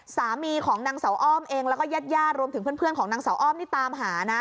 สามีของนางสาวอ้อมเองและแย่ดรวมถึงเพื่อนของนางสาวอ้อมนี่ตามหา